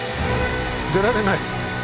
出られない。